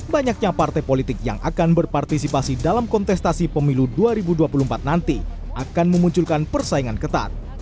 banyaknya partai politik yang akan berpartisipasi dalam kontestasi pemilu dua ribu dua puluh empat nanti akan memunculkan persaingan ketat